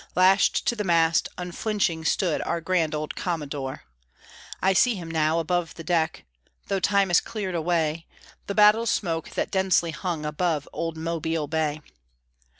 Lashed to the mast, unflinching, stood Our grand old Commodore. I see him now above the deck, Though time has cleared away The battle smoke that densely hung Above old Mobile Bay.